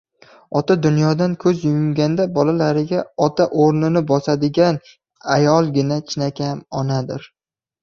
Ota dunyodan ko‘z yumganda, bolalariga ota o‘rnini bosadigan ayolgina chinakam onadir.